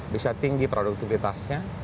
bisa tinggi produktivitasnya